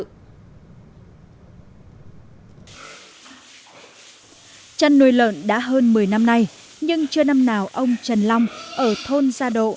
chăn nuôi lợn đã hơn một mươi năm nay nhưng chưa năm nào ông trần long ở thôn gia độ